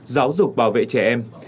giáo dục bảo vệ trẻ em